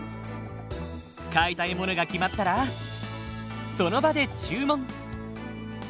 買いたいものが決まったらその場で注文。